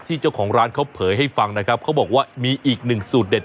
เจ้าของร้านเขาเผยให้ฟังนะครับเขาบอกว่ามีอีกหนึ่งสูตรเด็ด